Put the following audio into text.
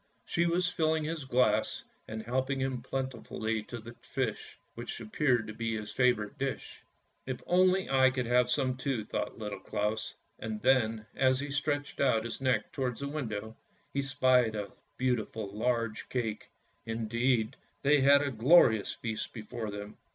She was filling his glass and helping him plentifully to fish, which appeared to be his favourite dish. " If only I could have some too," thought Little Claus, and then as he stretched out his neck towards the window he spied a beautiful, large cake — indeed, they had a glorious feast before them.